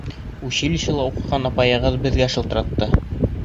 — Училищела уҡыған апайығыҙ беҙгә шылтыратты.